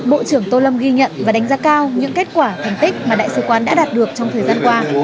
bộ trưởng tô lâm ghi nhận và đánh giá cao những kết quả thành tích mà đại sứ quán đã đạt được trong thời gian qua